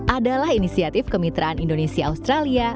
adalah inisiatif kemitraan indonesia australia